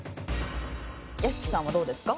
屋敷さんはどうですか？